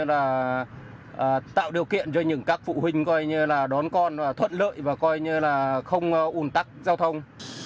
và tạo điều kiện cho những các phụ huynh coi như là đón con thuận lợi và coi như là không ủn tắc giao thông